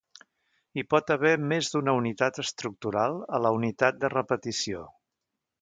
Hi pot haver més d'una unitat estructural a la unitat de repetició.